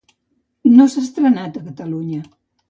No s'ha estrenat a Catalunya.